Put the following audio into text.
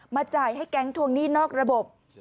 จ่ายให้แก๊งทวงหนี้นอกระบบ